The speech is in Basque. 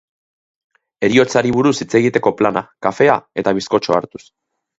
Heriotzari buruz hitz egiteko plana, kafea eta bizkotxoa hartuz.